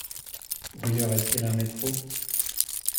Où y aurait-il un métro ?